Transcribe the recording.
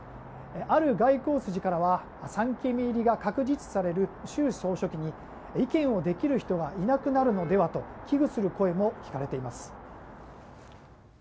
ある外交筋からは３期目入りが確実視される習総書記に意見をできる人がいなくなるのではと危惧する声も聞かれています。